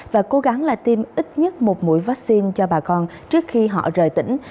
và cố gắng là tiêm ít nhất một mũi vaccine cho bà con trước khi họ rời tỉnh